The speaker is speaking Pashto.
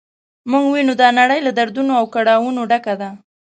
موږ وینو دا نړۍ له دردونو او کړاوونو ډکه ده.